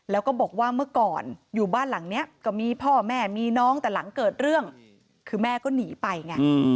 แล้วก็บอกว่าเมื่อก่อนอยู่บ้านหลังนี้ก็มีพ่อแม่มีน้องแต่หลังเกิดเรื่องคือแม่ก็หนีไปไง